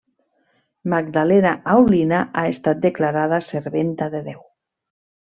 Magdalena Aulina ha estat declarada serventa de Déu.